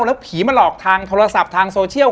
แล้วผีมาหลอกทางโทรศัพท์ทางโซเชียล